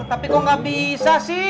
tapi kok nggak bisa sih